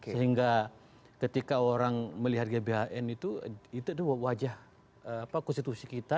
sehingga ketika orang melihat gbhn itu itu wajah konstitusi kita